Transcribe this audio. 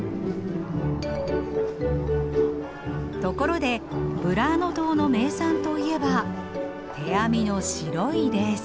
ところでブラーノ島の名産といえば手編みの白いレース。